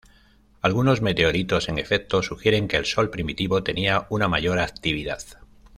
Algunos meteoritos, en efecto, sugieren que el Sol primitivo tenía una mayor actividad.